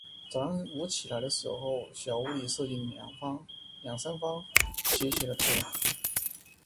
早上我起来的时候，小屋里射进两三方斜斜的太阳。